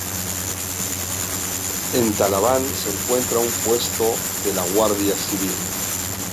En Talaván se encuentra un Puesto de la Guardia Civil.